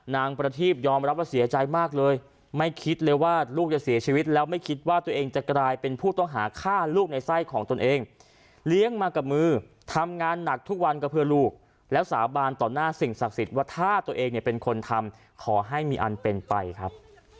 นางประทีพยอมรับว่าเสียใจมากเลยไม่คิดเลยว่าลูกจะเสียชีวิตแล้วไม่คิดว่าตัวเองจะกลายเป็นผู้ต้องหาฆ่าลูกในไส้ของตนเองเลี้ยงมากับมือทำงานหนักทุกวันก็เพื่อลูกแล้วสาบานต่อหน้าสิ่งศักดิ์สิทธิ์ว่าถ้าตัวเองเนี่ยเป็นคนทำขอให้มีอันเป็นไปครับ